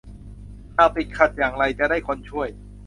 หากติดขัดอย่างไรจะได้คนช่วย